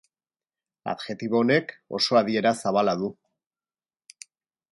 Adjektibo honek oso adiera zabala du.